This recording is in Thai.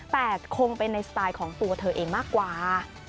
แต่คงเป็นในสไตล์ของตัวเธอเองมากกว่า